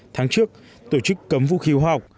tháng trước tổ chức cấm vũ khí hoa học